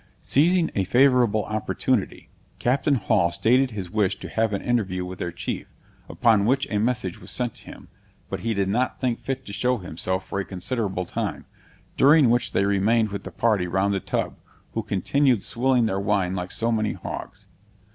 Seizing a favorable opportunity, Captain Hall stated his wish to have an interview with their chief, upon which a message was sent to him; but he did not think fit to show himself for a considerable time, during which they remained with the party round the tub, who continued swilling their wine like so many hogs.